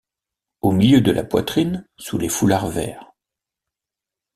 Au milieu de la poitrine sous les foulards verts.